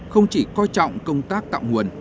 không chỉ coi trọng công tác tạo nguồn